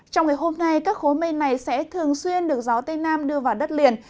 trong ngày hôm nay các khối mây này sẽ thường xuyên được gió tây nam đưa vào đất liền